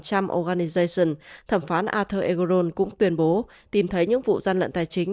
trump organization thẩm phán arthur egoron cũng tuyên bố tìm thấy những vụ gian lận tài chính